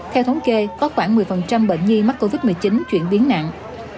theo thống kê có khoảng một mươi bệnh nhi mắc covid một mươi chín chuyển biến nặng